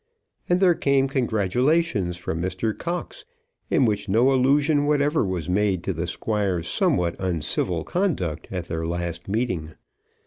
And there came congratulations from Mr. Cox, in which no allusion whatever was made to the Squire's somewhat uncivil conduct at their last meeting.